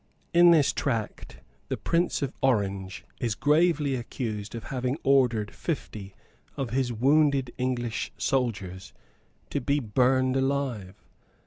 In this tract the Prince of Orange is gravely accused of having ordered fifty of his wounded English soldiers to be burned alive.